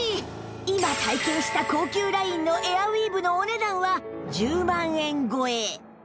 今体験した高級ラインのエアウィーヴのお値段は１０万円超え